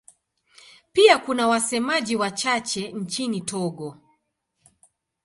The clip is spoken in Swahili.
Pia kuna wasemaji wachache nchini Togo.